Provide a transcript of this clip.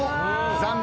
残念。